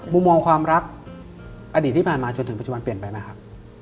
มุมมองความรักอดีตที่ผ่านมาจนถึงปัจจุบันเปลี่ยนไปไหมครับ